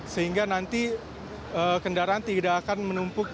sehingga nanti kendaraan tidak akan menumpuk